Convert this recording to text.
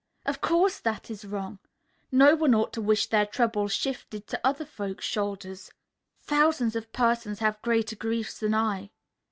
Of course, that is wrong. No one ought to wish their troubles shifted to other folks' shoulders. Thousands of persons have greater griefs than I.